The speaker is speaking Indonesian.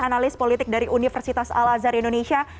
analis politik dari universitas al azhar indonesia